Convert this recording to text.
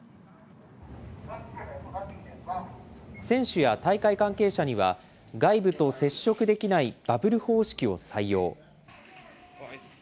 選手や大会関係者には外部と接触できないバブル方式を採用。